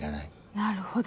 なるほど。